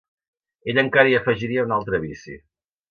Ell encara hi afegiria un altre vici.